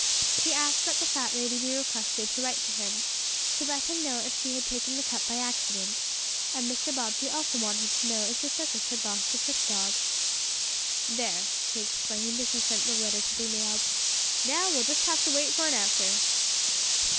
He asked that the fat lady be requested to write to him, to let him know if she had taken the cup by accident, and Mr. Bobbsey also wanted to know if the circus had lost a trick dog. "There!" he exclaimed as he sent the letter to be mailed, "now we'll just have to wait for an answer."